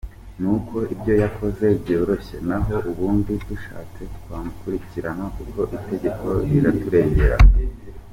Nuko ibyo yakoze byoroshye naho ubundi dushatse twamukurikirana kuko itegeko riraturengera.